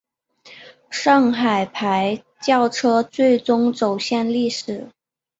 上海牌轿车最终走向历史。